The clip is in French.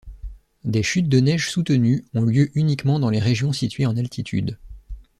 Des chutes de neige soutenues ont lieu uniquement dans les régions situées en altitude.